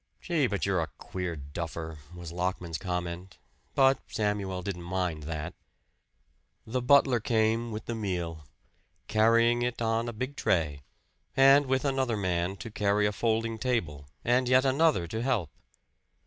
"Gee, but you're a queer duffer!" was Lockman's comment; but Samuel didn't mind that. The butler came with the meal carrying it on a big tray, and with another man to carry a folding table, and yet another to help.